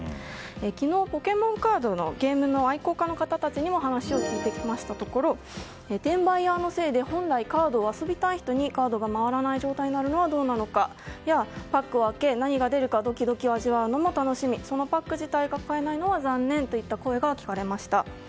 昨日、ポケモンカードのゲームの愛好家の方たちにも話を聞いてきましたところ転売ヤーのせいで本来カードを遊びたい人に回らなくなるのはどうなのかやパックを開け何が出るかドキドキを味わうのも楽しみそのパック自体が買えないのは残念といった声が聞かれました。